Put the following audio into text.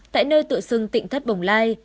tại nơi tự xưng tịnh thất bồng lai